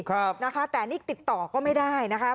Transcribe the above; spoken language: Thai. ครับนะคะแต่นี่ติดต่อก็ไม่ได้นะคะ